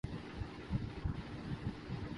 سی pack سے ہمیں کتنے فوائد حاصل ہوں گے